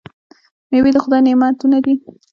میوې د خدای نعمتونه دي.